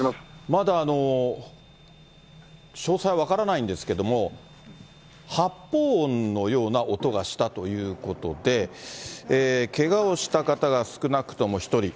まだ、詳細分からないんですけども、発砲音のような音がしたということで、けがをした方が少なくとも１人。